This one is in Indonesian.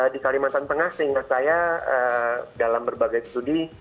di kalimantan tengah sehingga saya dalam berbagai studi